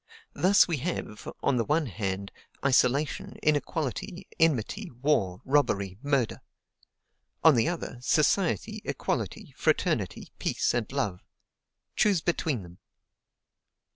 Thus we have, on the one hand, isolation, inequality, enmity, war, robbery, murder; on the other, society, equality, fraternity, peace, and love. Choose between them!